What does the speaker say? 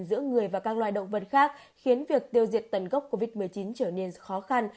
giữa người và các loài động vật khác khiến việc tiêu diệt tần gốc covid một mươi chín trở nên khó khăn